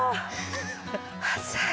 暑い。